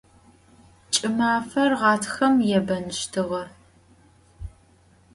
Ç'ımafer ğatxem yêbenıştığe.